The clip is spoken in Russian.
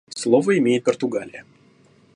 Слово имеет Португалия.